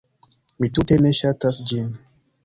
Mi tute ne ŝatas ĝin.